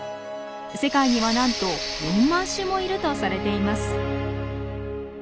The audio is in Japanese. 世界にはなんと４万種もいるとされています。